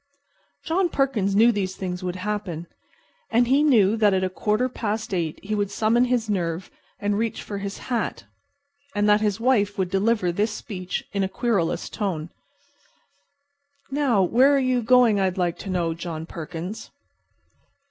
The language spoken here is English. John Perkins knew these things would happen. And he knew that at a quarter past eight he would summon his nerve and reach for his hat, and that his wife would deliver this speech in a querulous tone: "Now, where are you going, I'd like to know, John Perkins?"